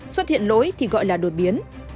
xuất hiện lỗi thì gọi là đột biến